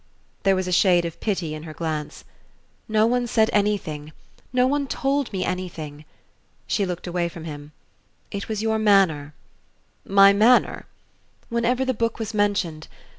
There was a shade of pity in her glance. "No one said anything no one told me anything." She looked away from him. "It was your manner " "My manner?" "Whenever the book was mentioned.